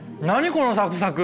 このサクサク。